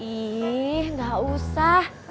ih gak usah